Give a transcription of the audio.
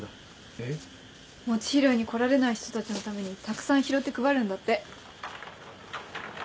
えっ？餅拾いに来られない人たちのためにたくさん拾って配るんだって。